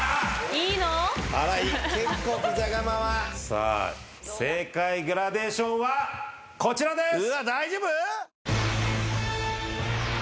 さあ正解グラデーションはこちらです！